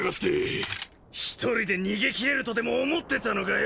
一人で逃げ切れるとでも思ってたのかよ。